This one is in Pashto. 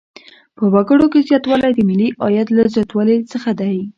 په وګړو کې زیاتوالی د ملي عاید له زیاتوالي ډېر دی.